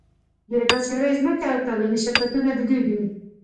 د بزګرۍ ځمکې او تولیدي شرکتونه د دوی دي